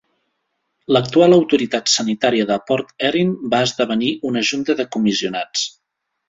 L'actual autoritat sanitària de Port Erin va esdevenir una junta de comissionats.